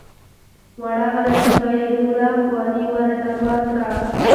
وړه غلطي به یې ټوله خواري ور ډوبه کړي.